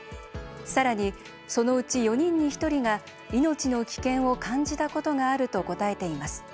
さらに、そのうち４人に１人が命の危険を感じたことがあると答えています。